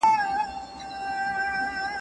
بوی دې د نکریزو د مڼو ترخوا راولېږه